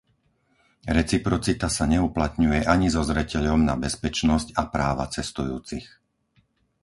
Reciprocita sa neuplatňuje ani so zreteľom na bezpečnosť a práva cestujúcich.